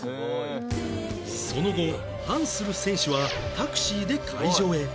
その後ハンスル選手はタクシーで会場へ